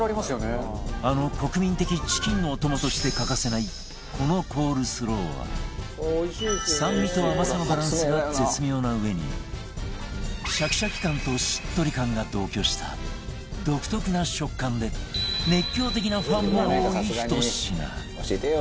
あの国民的チキンのお供として欠かせないこのコールスローは酸味と甘さのバランスが絶妙なうえにシャキシャキ感としっとり感が同居した独特な食感で熱狂的なファンも多いひと品